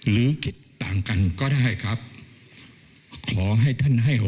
และยังมีประชาชน